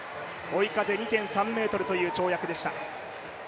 追い風２．３メートルという跳躍でした。